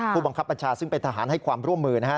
ผู้บังคับบัญชาซึ่งเป็นทหารให้ความร่วมมือนะฮะ